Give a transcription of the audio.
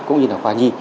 cũng như là khoa nhi